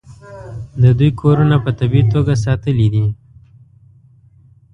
د دوی کورونه په طبیعي توګه ساتلي دي.